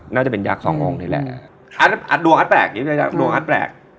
น่าจะเป็นยักษ์๒องค์นี่แหละดวงอัดแปลก